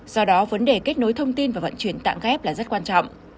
do đó vấn đề kết nối thông tin và vận chuyển tạng ghép là rất quan trọng